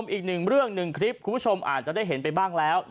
อีกหนึ่งเรื่องหนึ่งคลิปคุณผู้ชมอาจจะได้เห็นไปบ้างแล้ว